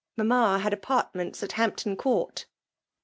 Mamma had apartments at Hampton Court."